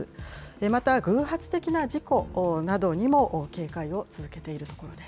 また、偶発的な事故などにも警戒を続けているところです。